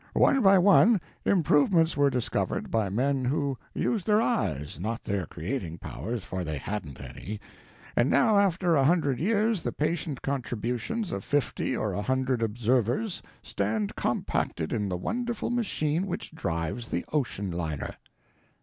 One by one, improvements were discovered by men who used their eyes, not their creating powers—for they hadn't any—and now, after a hundred years the patient contributions of fifty or a hundred observers stand compacted in the wonderful machine which drives the ocean liner.